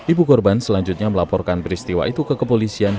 ibu korban selanjutnya melaporkan peristiwa itu ke kepolisian